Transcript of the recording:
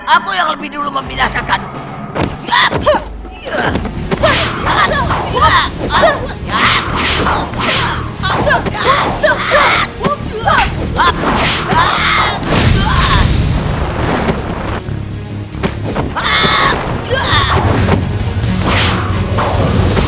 aku yang lebih dulu membinasakanmu